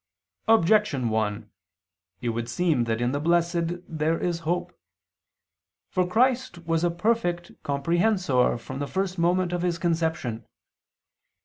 Objection 1: It would seem that in the blessed there is hope. For Christ was a perfect comprehensor from the first moment of His conception.